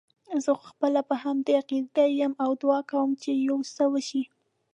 زه خو خپله په همدې عقیده یم او دعا کوم چې یو څه وشي.